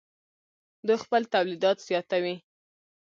دوی خپل تولیدات زیاتوي.